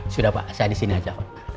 sudah pak saya disini aja